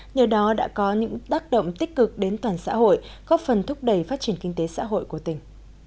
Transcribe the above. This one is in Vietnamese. nhờ đó đã có những tác động tích cực đến toàn xã hội góp phần thúc đẩy phát triển kinh tế xã hội của tỉnh